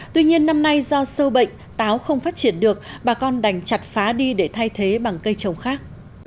tuy nhiên năm nay do sâu bệnh táo không phát triển được bà con đành chặt phá đi để thay thế bằng cây trồng khác